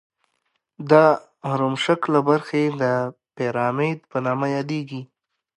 دا هرم شکله برخې د پیرامید په نامه یادیږي.